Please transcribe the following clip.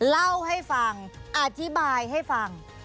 เล่าให้ฟังอธิบายให้ฟัง